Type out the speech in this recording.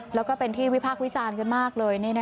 แล้วก็เป็นที่วิพากษ์วิจารณ์กันมากเลย